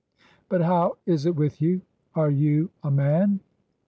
. But how is it with you? Are you a man?